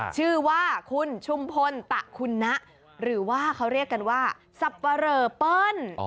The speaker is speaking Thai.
ชื่อว่าคุณชุมพลตะคุณนะหรือว่าเขาเรียกกันว่าสับปะเรอเปิ้ล